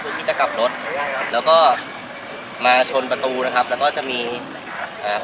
ที่จะกลับรถแล้วก็มาชนประตูนะครับแล้วก็จะมีอ่า